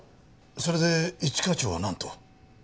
それで一課長はなんと？